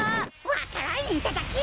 わか蘭いただき！